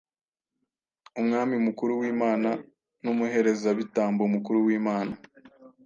Umwami mukuru w'Imana n'umuherezabitambo mukuru w'Imana